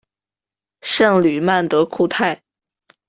圣吕曼德库泰。